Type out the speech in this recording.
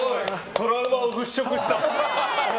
トラウマを払拭した。